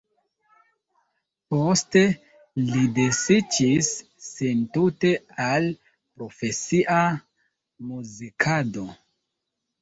Poste li dediĉis sin tute al profesia muzikado.